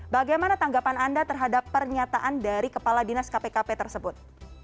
bagaimana tanggapan anda terhadap pernyataan dari kepala dinas kpkp tersebut